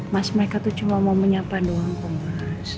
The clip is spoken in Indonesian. mas mereka tuh cuma mau menyapa doang kok mas